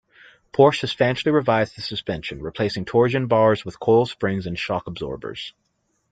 Porsche substantially revised the suspension, replacing torsion bars with coil springs and shock absorbers.